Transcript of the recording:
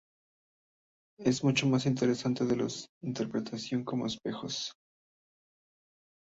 Es mucho más interesante la interpretación como espejos.